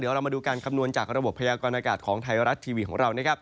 เดี๋ยวเรามาดูการกำนวณจากระบบพยากรณากาศของไทยรัฐทีวีของเรา